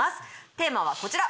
テーマはこちら。